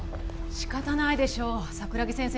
仕方ないでしょう桜木先生